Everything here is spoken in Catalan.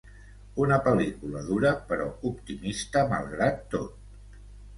Una pel·lícula dura però optimista malgrat tot.